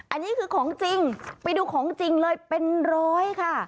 อันนี้คือของจริงไปดูของจริงเลยเป็นร้อยค่ะ